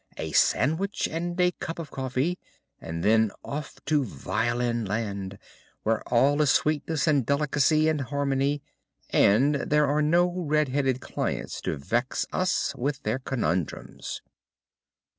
A sandwich and a cup of coffee, and then off to violin land, where all is sweetness and delicacy and harmony, and there are no red headed clients to vex us with their conundrums."